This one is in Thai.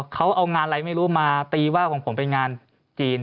เขาเอางานอะไรไม่รู้มาตีว่าของผมเป็นงานจีน